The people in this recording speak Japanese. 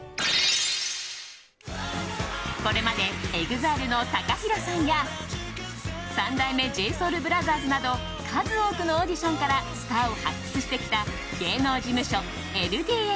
これまでＥＸＩＬＥのＴＡＫＡＨＩＲＯさんや三代目ＪＳＯＵＬＢＲＯＴＨＥＲＳなど数多くのオーディションからスターを発掘してきた芸能事務所ＬＤＨ。